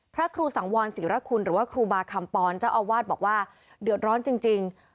พระครูสังวรศิรคุณหรือว่าครูบาคำปอนเจ้าอาวาสบอกว่าเดือดร้อนจริง